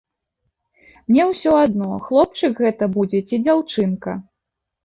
Мне ўсё адно, хлопчык гэта будзе ці дзяўчынка.